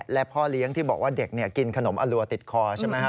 และพ่อเลี้ยงที่บอกว่าเด็กกินขนมอรัวติดคอใช่ไหมครับ